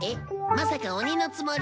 まさか鬼のつもり？